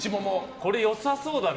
これ、よさそうだな。